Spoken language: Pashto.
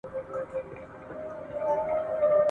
پېغلو او مېرمنو په جګړه کي برخه اخیستې ده.